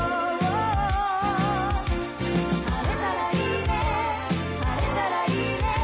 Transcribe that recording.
「晴れたらいいね晴れたらいいね」